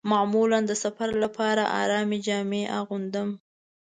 معمولاً د سفر لپاره ارامې جامې اغوندم.